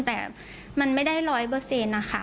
แต่มันไม่ได้ร้อยเปอร์เซ็นต์อะค่ะ